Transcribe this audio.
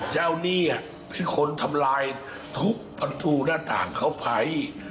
หนี้คือคนทำลายทุบประตูหน้าต่างเข้าไป